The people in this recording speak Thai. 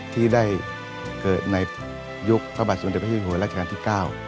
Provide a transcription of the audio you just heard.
ที่ได้เกิดในยุคพระบาทสมเด็จพระเจ้าหัวราชการที่๙